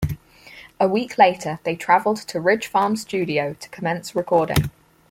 A week later, they traveled to Ridge Farm Studio to commence recording.